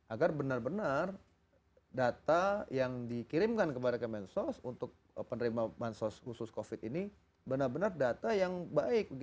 agar benar benar data yang dikirimkan kepada kemensos untuk penerima bantuan sosial khusus covid ini benar benar data yang baik